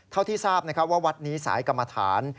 เท่าที่ทราบนะครับว่าวัดนี้สายกรรมฐาน